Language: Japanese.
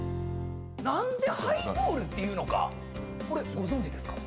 何でハイボールっていうのかこれご存じですか？